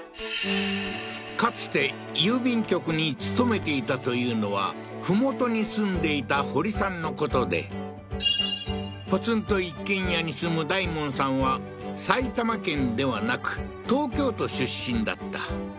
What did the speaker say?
かつて郵便局に勤めていたというのは麓に住んでいた堀さんのことでポツンと一軒家に住む大門さんは埼玉県ではなく東京都出身だった